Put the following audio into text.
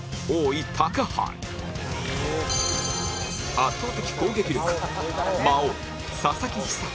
圧倒的攻撃力魔王佐々木寿人